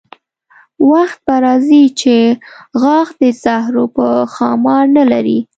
وخت به راځي چې غاښ د زهرو به ښامار نه لري.